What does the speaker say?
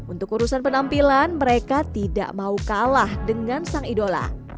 untuk urusan penampilan mereka tidak mau kalah dengan sang idola